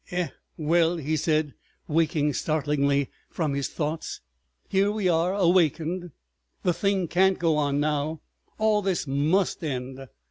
"Eh, well," he said, waking startlingly from his thoughts. "Here we are awakened! The thing can't go on now; all this must end.